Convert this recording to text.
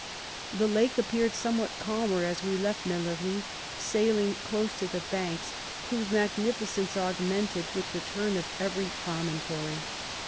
The lake appeared somewhat calmer as we left Mellerie, sailing close to the banks, whose magnificence augmented with the turn of every promontory.